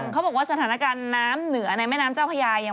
เขาบอกว่าสถานการณ์น้ำเหนือในแม่น้ำเจ้าพญายัง